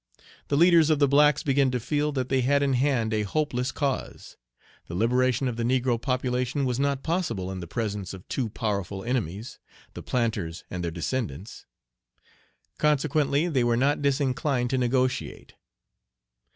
The leaders of the blacks began to feel that they had in hand a hopeless cause. The liberation of the negro population was not possible in the Page 57 presence of two powerful enemies, the planters and their descendants. Consequently they were not disinclined to negotiate.